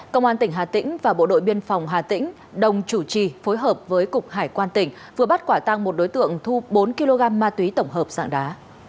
công an tỉnh hà tĩnh và bộ đội biên phòng hà tĩnh đồng chủ trì phối hợp với cục hải quan tỉnh vừa bắt quả tăng một đối tượng thu bốn kg ma túy tổng hợp dạng đá